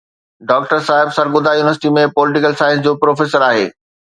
Doctor صاحب Sargodha university ۾ political science جو professor آهي.